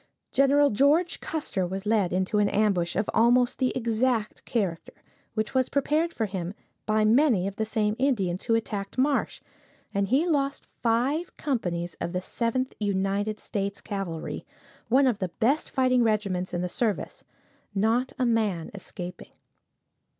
Gen. George Custer was led into an ambush of almost the exact character, which was prepared for him by many of the same Indians who attacked Marsh, and he lost five companies of the Seventh United States Cavalry, one of the best fighting regiments in the service, not a man escaping.